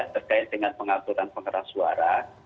terkait dengan pengaturan pengeras suara